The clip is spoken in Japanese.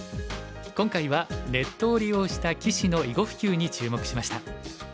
今回はネットを利用した棋士の囲碁普及に注目しました。